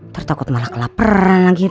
tertakut malah kelaperan lagi